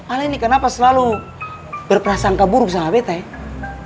aleni kenapa selalu berprasangka buruk sama beta ya